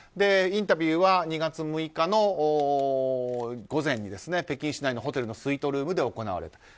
インタビューは２月６日の午前に北京市内のホテルのスイートルームで行われた。